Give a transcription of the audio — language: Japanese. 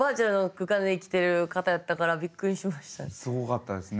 だからすごかったですね。